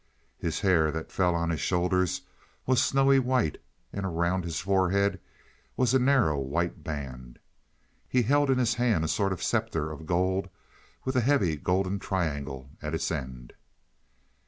His hair, that fell on his shoulders, was snowy white, and around his forehead was a narrow white band. He held in his hand a sort of scepter of gold with a heavy golden triangle at its end.